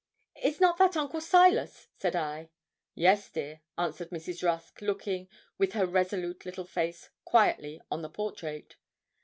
'Is not that Uncle Silas?' said I. 'Yes, dear,' answered Mrs. Rusk, looking, with her resolute little face, quietly on the portrait.